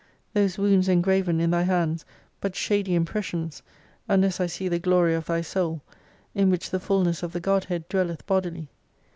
Those wounds engraven in Thy hands but shady impressions, unless I see the Glory of Thy Soul, in which the fullness of the GODHEAD dwelleth bodily.